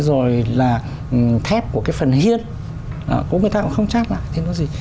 rồi là thép của cái phần hiên cũng người ta cũng không chát lại